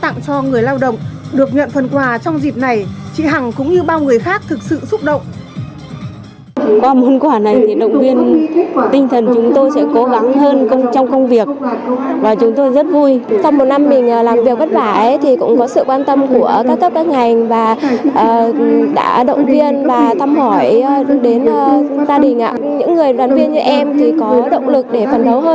những ngày tết đang cận kể hàng trăm phần quà của công đoàn công an nhân dân đã được trao tặng cho người lao động được nhận phần quà trong dịp này chị hằng cũng như bao người khác thực sự xúc động